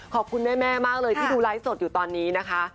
คุณแม่มากเลยที่ดูไลฟ์สดอยู่ตอนนี้นะคะ